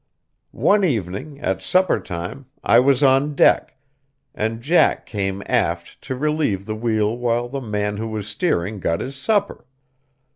One evening, at supper time, I was on deck, and Jack came aft to relieve the wheel while the man who was steering got his supper.